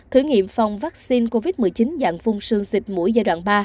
thử nghiệm phòng vaccine covid một mươi chín dạng phung xương xịt mũi giai đoạn ba